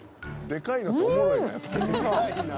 「でかいな」